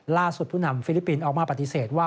ผู้นำฟิลิปปินส์ออกมาปฏิเสธว่า